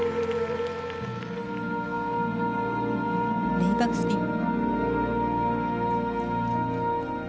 レイバックスピン。